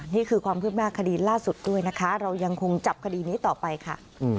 นี่คือความคืบหน้าคดีล่าสุดด้วยนะคะเรายังคงจับคดีนี้ต่อไปค่ะ